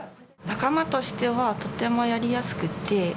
仲間としてはとてもやりやすくて。